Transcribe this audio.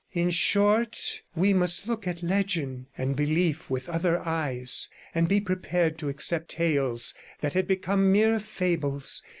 In short, we must look at legend and belief with other eyes, and be prepared to accept tales that had become mere fables.